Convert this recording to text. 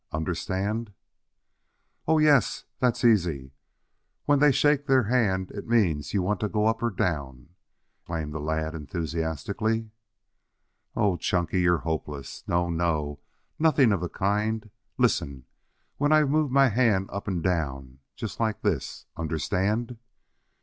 Understand?" "Oh, yes; that's easy. When they shake their hand, it means you want to go up or down," exclaimed the lad enthusiastically. "O Chunky, you're hopeless. No, no! Nothing of the kind. Listen. When I move my hand up and down, just like this Understand?"